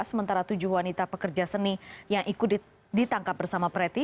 sementara tujuh wanita pekerja seni yang ikut ditangkap bersama preti